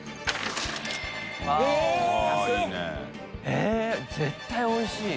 えっ絶対おいしい。